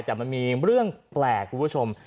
แต่มันมีเรื่องแปลกคุณผู้ชม